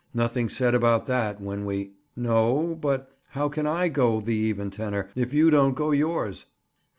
"Nothing said about that when we—" "No, but—how can I go the even tenor, if you don't go yours?"